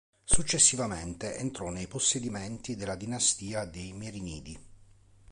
Successivamente entrò nei possedimenti della dinastia dei Merinidi.